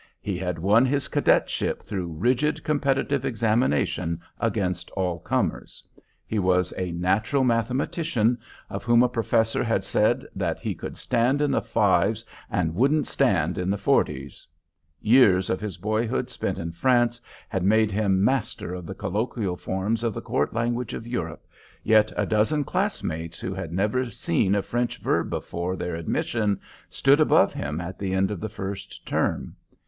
He had won his cadetship through rigid competitive examination against all comers; he was a natural mathematician of whom a professor had said that he "could stand in the fives and wouldn't stand in the forties;" years of his boyhood spent in France had made him master of the colloquial forms of the court language of Europe, yet a dozen classmates who had never seen a French verb before their admission stood above him at the end of the first term.